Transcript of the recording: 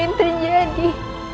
apa sebenarnya yang terjadi